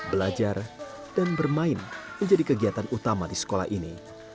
belajar dan bermain menjadi kegiatan utama di sekolah ini